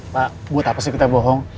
pak buat apa sih kita bohong